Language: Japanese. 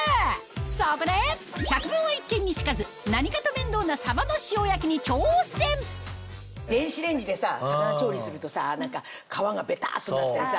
そこで百聞は一見にしかず何かと面倒な電子レンジでさ魚調理するとさ皮がベタっとなったりさ。